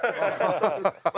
ハハハハッ。